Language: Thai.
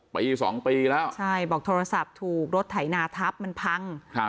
ไป๒ปีแล้วใช่บอกโทรศัพท์ถูกรถไถนาทัพมันพัง